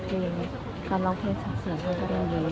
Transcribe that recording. มันเป็นสิ่งที่จะให้ทุกคนรู้สึกว่ามันเป็นสิ่งที่จะให้ทุกคนรู้สึกว่า